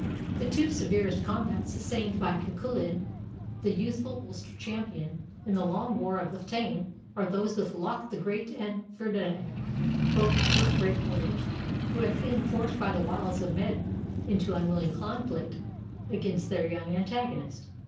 The two severest combats sustained by Cuchulainn, the youthful Ulster champion, in the long war of the Táin are those with Loch the Great and Ferdiad, both first rate warriors, who had been forced by the wiles of Medb into unwilling conflict against their young antagonist.